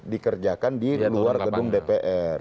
dikerjakan di luar gedung dpr